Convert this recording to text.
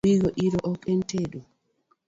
Bingo iro ok en tedo